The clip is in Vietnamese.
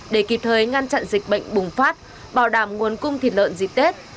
để kịp thời ngăn chặn dịch bệnh bùng phát bảo đảm nguồn cung thịt lợn dịp tết